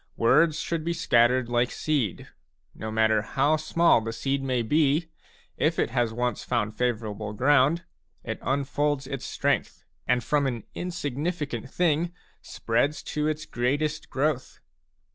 Words should be scattered like seed ; no matter how small the seed may be, if it has once found favourable ground, it unfolds its strength and from an insignificant thing spreads to its greatest growth.